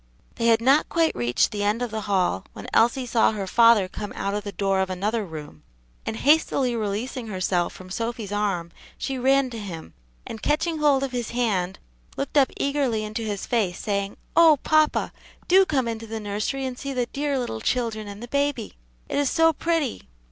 They had not quite reached the end of the hall when Elsie saw her father come out of the door of another room, and hastily releasing herself from Sophy's arm, she ran to him, and catching hold of his hand, looked up eagerly into his face, saying, "Oh, papa, do come into the nursery and see the dear little children and the baby! it is so pretty."